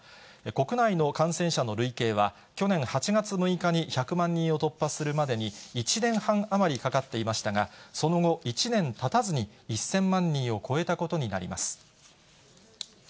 国内の感染者の累計は、去年８月６日に１００万人を突破するまでに１年半余りかかっていましたが、その後、１年たたずに１０００万人を超えたことになります。